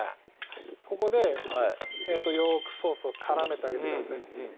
ここでよくソースをからめてあげてください